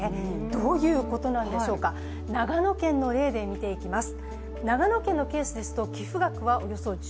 どういうことなんでしょうか長野県の例で見ていきます。